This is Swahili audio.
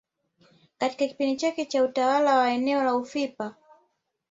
Katika kipindi chake cha utawala wa eneo la ufipa